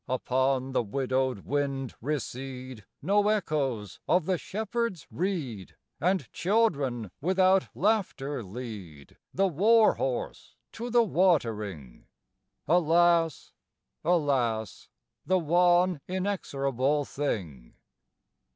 Upon the widowed wind recede No echoes of the shepherd's reed, And children without laughter lead The war horse to the watering. (Alas, alas, The one inexorable thing!)